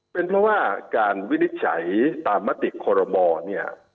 เป็นเพราะว่าการวินิจฉัยตามมติคอรมอเนี่ย